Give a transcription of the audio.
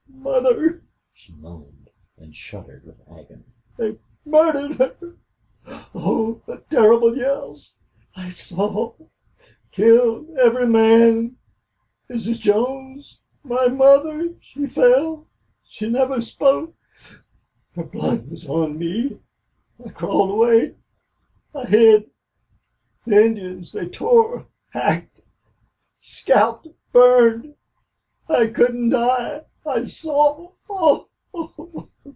"My mother!" she moaned, and shuddered with agony. "They murdered her!... Oh! the terrible yells!... I saw killed every man Mrs. Jones! My mother she fell she never spoke! Her blood was on me!... I crawled away I hid!... The Indians they tore hacked scalped burned!... I couldn't die! I saw!...